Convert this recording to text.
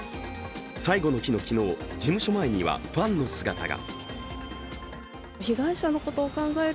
最後の日の昨日、事務所前にはファンの姿が。